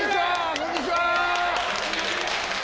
こんにちは。